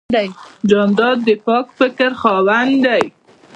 جانداد د پاک فکر خاوند دی.